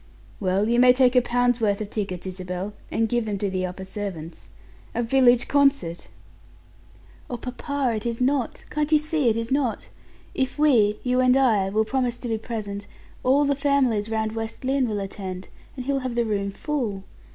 "Well, you may take a pound's worth of tickets, Isabel, and give them to the upper servants. A village concert!" "Oh, papa, it is not can't you see it is not? If we, you and I, will promise to be present, all the families round West Lynne will attend, and he will have the room full.